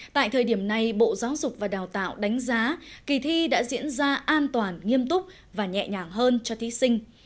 tại thời điểm này bộ giáo dục và đào tạo đánh giá kỳ thi đã diễn ra an toàn nghiêm túc và nhẹ nhàng hơn cho thí sinh